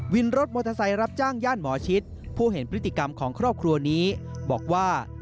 วินรถมอเตอร์ไซค์รับจ้างย่านหมอชิดผู้เห็นพฤติกรรมของครอบครัวนี้บอกว่า